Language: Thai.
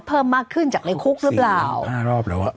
เพิ่มมากขึ้นจากในคุกรึปล่าวอือ๔๐๐ปี๕รอบแล้วอ่า